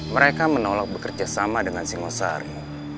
mereka menolak bekerja sama dengan singosari